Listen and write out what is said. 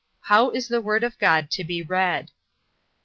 How is the Word of God to be read?